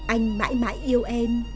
anh mãi mãi yêu em